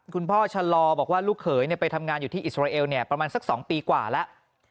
คุณพ่อชะลอบอกว่าลูกเขยไปทำงานอยู่ที่อิสราเอลประมาณสัก๒ปีกว่าแล้ว